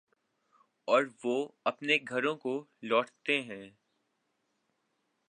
اوروہ اپنے گھروں کو لوٹتے ہیں۔